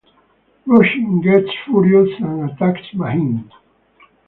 Roshini gets furious and attacks Maheen.